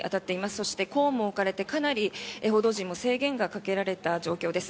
そしてコーンも置かれてかなり報道陣も制限がかけられた状態です。